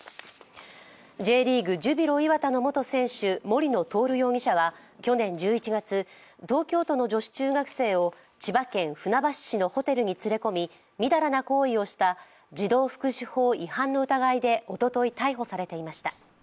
Ｊリーグ・ジュビロ磐田の元選手、森野徹容疑者は去年１１月、東京都の女子中学生を千葉県船橋市のホテルに連れ込み淫らな行為をした児童福祉法違反の疑いでおととい逮捕されていました。